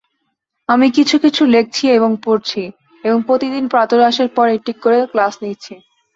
আমি কিছু কিছু লিখছি ও পড়ছি এবং প্রতিদিন প্রাতঃরাশের পর একটি করে ক্লাস নিচ্ছি।